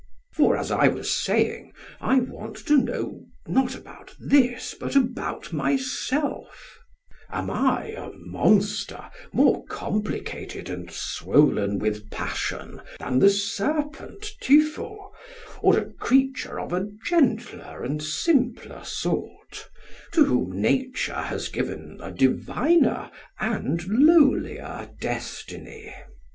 For, as I was saying, I want to know not about this, but about myself: am I a monster more complicated and swollen with passion than the serpent Typho, or a creature of a gentler and simpler sort, to whom Nature has given a diviner and lowlier destiny?